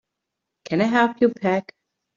Can I help you pack?